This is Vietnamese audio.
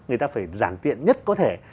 người ta phải giản tiện nhất có thể